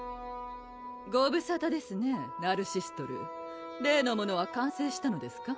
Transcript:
ごぶさたですねナルシストルー例のものは完成したのですか？